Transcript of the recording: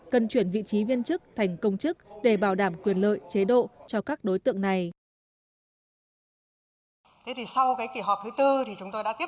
cần chuyển vị trí viên chức thành công chức để bảo đảm quyền lợi chế độ cho các đối tượng này